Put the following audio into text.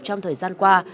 trong thời gian qua